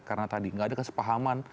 karena tadi tidak ada kesepahaman